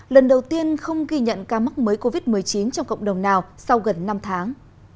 lần đầu tiên không ghi nhận ca mắc mới covid một mươi chín trong cộng đồng nào sau gần năm tháng